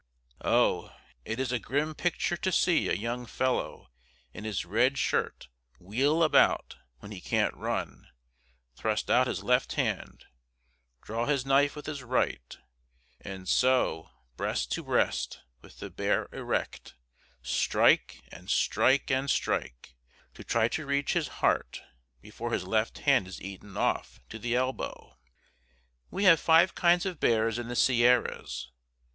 Oh! it is a grim picture to see a young fellow in his red shirt wheel about, when he can't run, thrust out his left hand, draw his knife with his right, and so, breast to breast, with the bear erect, strike and strike and strike to try to reach his heart before his left hand is eaten off to the elbow! We have five kinds of bears in the Sierras.